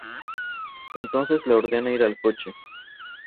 Entonces le ordena ir al coche.